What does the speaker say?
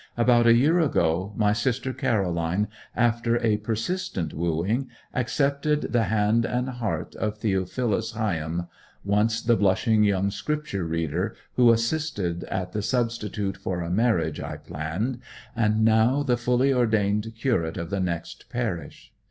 About a year ago my sister Caroline, after a persistent wooing, accepted the hand and heart of Theophilus Higham, once the blushing young Scripture reader who assisted at the substitute for a marriage I planned, and now the fully ordained curate of the next parish.